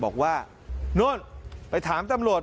บอกว่านู่นไปถามตำรวจ